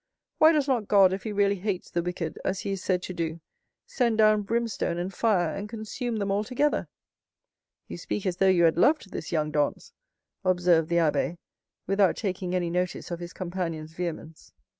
Why does not God, if he really hates the wicked, as he is said to do, send down brimstone and fire, and consume them altogether?" "You speak as though you had loved this young Dantès," observed the abbé, without taking any notice of his companion's vehemence.